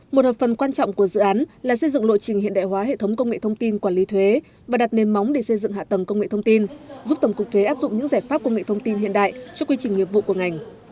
một hợp phần quan trọng của dự án là xây dựng lộ trình hiện đại hóa hệ thống công nghệ thông tin quản lý thuế và đặt nền móng để xây dựng hạ tầng công nghệ thông tin giúp tổng cục thuế áp dụng những giải pháp công nghệ thông tin hiện đại cho quy trình nghiệp vụ của ngành